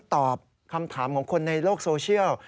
ตอบคำถามของคนในโลกโซเชียล